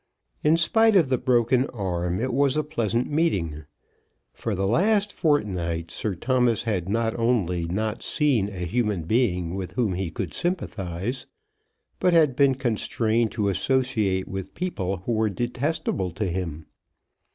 In spite of the broken arm it was a pleasant meeting. For the last fortnight Sir Thomas had not only not seen a human being with whom he could sympathise, but had been constrained to associate with people who were detestable to him.